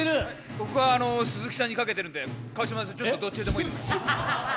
僕は鈴木さんにかけてるんで川島さん、どっちでもいいです。